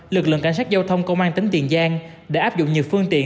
lực lượng cảnh sát giao thông công an tỉnh tiền giang đã áp dụng nhiều phương tiện